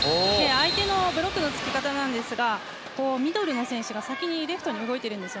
相手のブロックのつき方なんですがミドルの選手が先にレフトに動いているんです。